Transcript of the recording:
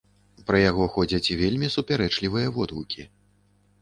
Пра яго ходзяць вельмі супярэчлівыя водгукі.